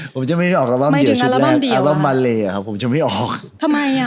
ผมจะไม่ได้ออกอับอัมเดียชุดแรกอับอัมมาเลอะผมจะไม่ออกทำไมอะ